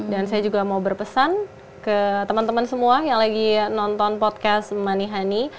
dan saya juga mau berpesan ke temen temen semua yang lagi nonton podcast manihani